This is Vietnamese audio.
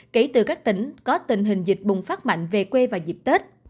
kể từ các tỉnh có tình hình dịch bùng phát mạnh về quê vào dịp tết